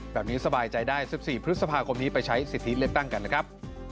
สบายใจได้๑๔พฤษภาคมนี้ไปใช้สิทธิเลือกตั้งกันนะครับ